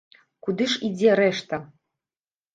Куды ж ідзе рэшта?